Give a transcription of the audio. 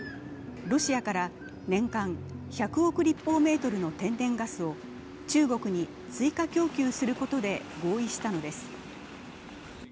ロシアからねんかん１００億立方メートルの天然ガスを中国に追加供給することで合意したのです。